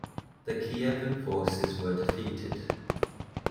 The Kievan forces were defeated.